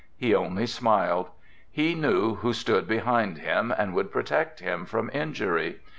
He only smiled. He knew who stood behind him and would protect him from injury.